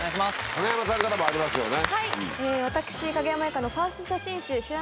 影山さんからもありますよね。